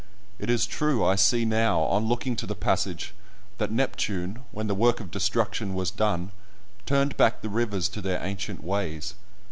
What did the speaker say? It is true I see now, on looking to the passage, that Neptune, when the work of destruction was done, turned back the rivers to their ancient ways